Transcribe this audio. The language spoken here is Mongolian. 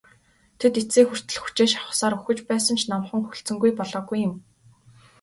Тэд эцсээ хүртэл хүчээ шавхсаар үхэж байсан ч номхон хүлцэнгүй болоогүй юм.